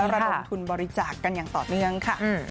แล้วเราลงทุนบริจาคกันอย่างต่อเนื่องค่ะ